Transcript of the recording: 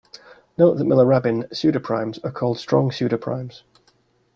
Note that Miller-Rabin pseudoprimes are called strong pseudoprimes.